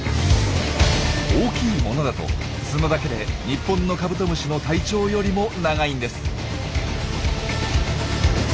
大きいものだと角だけで日本のカブトムシの体長よりも長いんです。